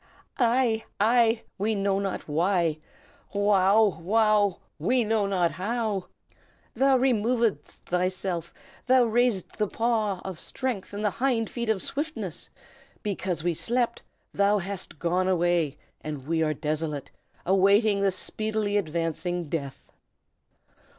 "Ai! ai! we know not why; Wow! wow! we know not how. "Thou removedst thyself. Thou raisedst the paw of strength and the hind feet of swiftness. Because we slept, thou hast gone away, and we are desolate, awaiting the speedily advancing death.